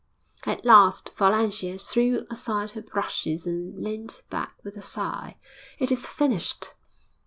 At last Valentia threw aside her brushes and leant back with a sigh. 'It is finished!'